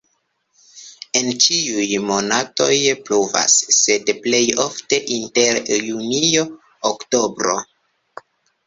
En ĉiuj monatoj pluvas, sed plej ofte inter junio-oktobro.